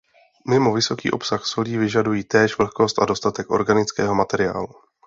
Mimo vysoký obsah solí vyžadují též vlhkost a dostatek organického materiálu.